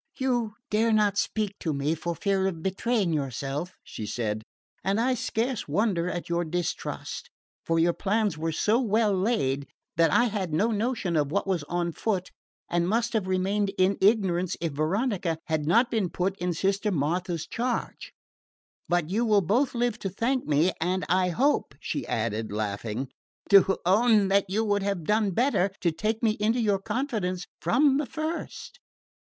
"You dare not speak to me, for fear of betraying yourself," she said, "and I scarce wonder at your distrust; for your plans were so well laid that I had no notion of what was on foot, and must have remained in ignorance if Veronica had not been put in Sister Martha's charge. But you will both live to thank me, and I hope," she added, laughing, "to own that you would have done better to take me into your confidence from the first."